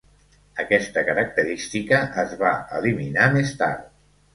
Aquesta característica es va eliminar més tard.